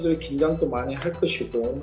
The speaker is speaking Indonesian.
bagaimana anda mempersiapkannya